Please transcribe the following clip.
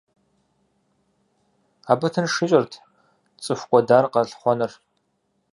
Абы тынш ищӏырт цӏыху кӏуэдар къэлъыхъуэныр.